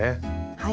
はい。